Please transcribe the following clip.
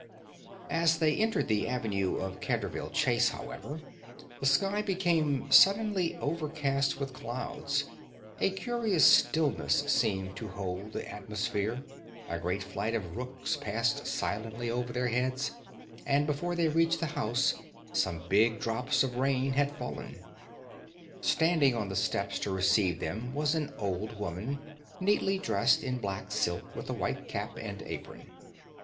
As they entered the avenue of Canterville Chase, however, the sky became suddenly overcast with clouds, a curious stillness seemed to hold the atmosphere, a great flight of rooks passed silently over their heads, and, before they reached the house, some big drops of rain had fallen. Standing on the steps to receive them was an old woman, neatly dressed in black silk, with a white cap and apron.